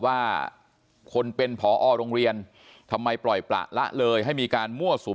ว่าคนเป็นผอโรงเรียนทำไมปล่อยประละเลยให้มีการมั่วสุม